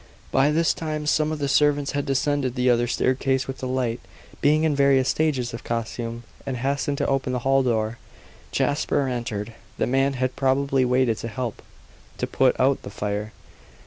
By this time some of the servants had descended the other staircase with a light, being in various stages of costume, and hastened to open the hall door. Jasper entered. The man had probably waited to help to put out the "fire."